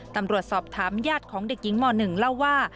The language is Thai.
ตำรวจสอบถามญาติของเด็กหญิงม๑เล่าว่า